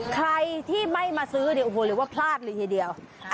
ใครที่ไม่มาซื้อเนี่ยโอ้โหเรียกว่าพลาดเลยทีเดียว